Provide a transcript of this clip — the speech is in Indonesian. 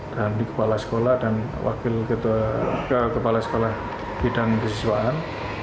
dan di kepala sekolah dan wakil kepala sekolah bidang siswaan